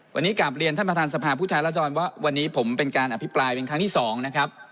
วันนี้กลับเรียนท่านประธานสภาพผู้แทนรัศดรว่าวันนี้ผมเป็นการอภิปรายเป็นครั้งที่๒นะครับ